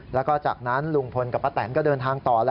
แล้วก็จากนั้นลุงพลกับป้าแตนก็เดินทางต่อ